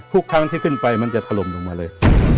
ทุกครั้งที่ขึ้นไปมันจะถล่มลงมาเลย